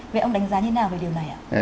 vậy ông đánh giá như thế nào về điều này ạ